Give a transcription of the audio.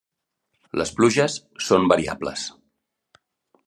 Les pluges són variables.